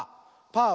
「パー！」。